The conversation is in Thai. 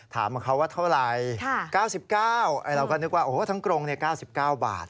ถามมาเขาว่าเท่าไรค่ะ๙๙เราก็นึกว่าโอ้โหทั้งกรงเนี่ย๙๙บาท